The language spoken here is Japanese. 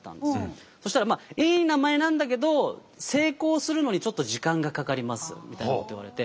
そしたらいい名前なんだけど成功するのにちょっと時間がかかりますみたいなこと言われて。